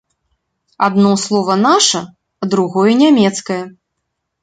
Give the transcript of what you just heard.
Адно слова наша, а другое нямецкае.